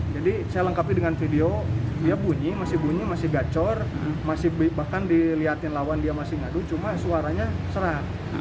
jadi saya lengkapi dengan video dia bunyi masih bunyi masih gacor bahkan dilihatin lawan dia masih ngadu cuma suaranya serat